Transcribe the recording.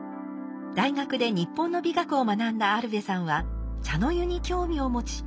大学で日本の美学を学んだアルヴェさんは茶の湯に興味を持ち現地で習い始めました。